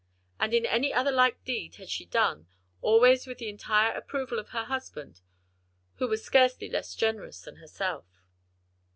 And in any another like deed had she done; always with the entire approval of her husband, who was scarcely less generous than herself.